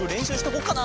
こうかな？